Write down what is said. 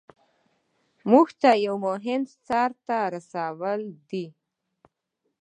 مونږ ته یو مهم سر ته رسول دي.